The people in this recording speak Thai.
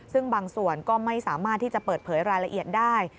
ซึ่งบางส่วนก็ไม่สามารถที่จะเปิดเผยรายละเอียดได้